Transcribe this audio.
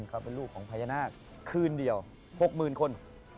เขาเป็นลูกของพญานาคคืนเดียว๖๐๐๐คน